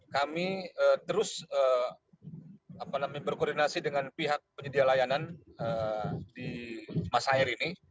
kami terus berkoordinasi dengan pihak penyedia layanan di masa air ini